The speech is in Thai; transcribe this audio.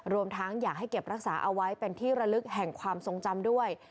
รวมทั้งอยากให้เก็บรักษาเอาไว้เป็นที่ระลึกแห่งความทรงจำด้วย